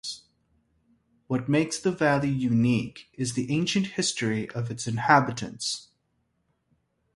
What makes the valley unique is the ancient history of its inhabitants.